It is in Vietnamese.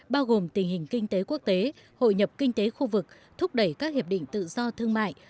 bao gồm tình hình kinh tế quốc tế hội nhập kinh tế khu vực thúc đẩy các hiệp định tự do thương mại